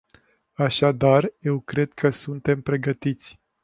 Așadar, eu cred că suntem pregătiți.